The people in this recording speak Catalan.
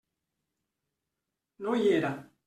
No hi era.